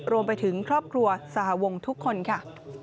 รวมไปถึงครอบครัวสหวงทุกคนค่ะ